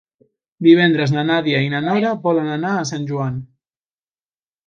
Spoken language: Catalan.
Divendres na Nàdia i na Nora volen anar a Sant Joan.